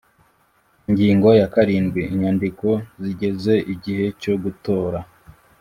Ingingo ya karindwi Inyandiko zigeze igihe cyo gutora